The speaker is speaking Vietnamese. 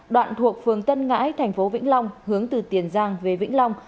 đoạn thuộc phường tân ngãi tp vĩnh long hướng từ tiền giang về vĩnh long